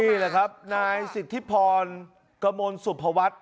นี่หรอครับนายสิทธิพรกะโมนสุพวัติ